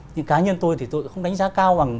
nhưng cá nhân tôi thì tôi cũng không đánh giá cao bằng